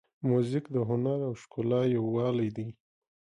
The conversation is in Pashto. موزیک د هنر او ښکلا یووالی دی.